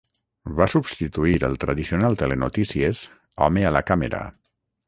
Va substituir el tradicional telenotícies "home a la càmera".